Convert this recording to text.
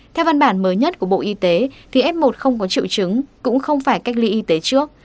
theo văn bản mới nhất của bộ y tế thì f một không có triệu chứng cũng không phải cách ly y tế trước